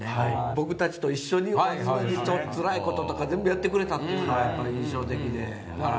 僕たちと一緒につらいこととか全部やってくれたっていうのが印象的で。